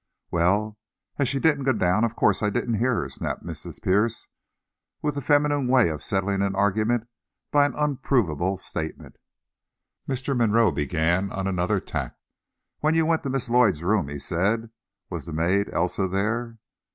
"Well, as she didn't go down, of course I didn't hear her," snapped Mrs. Pierce, with the feminine way of settling an argument by an unprovable statement. Mr. Monroe began on another tack. "When you went to Miss Lloyd's room," he said, "was the maid, Elsa, there?"